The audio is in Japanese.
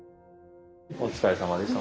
お疲れさまでした。